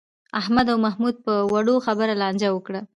احمد او محمود په وړو خبرو لانجه وکړه.